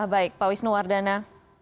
baik pak wisnu wardana